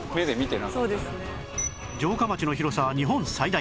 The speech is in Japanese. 城下町の広さは日本最大